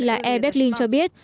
là air berlin cho biết